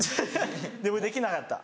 でもできなかった。